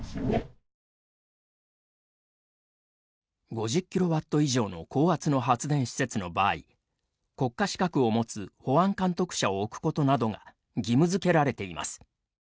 ５０キロワット以上の高圧の発電施設の場合国家資格を持つ保安監督者を置くことなどが義務づけられています。